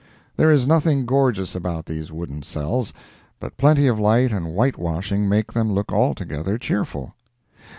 There is nothing gorgeous about these wooden cells, but plenty of light and whitewashing make them look altogether cheerful.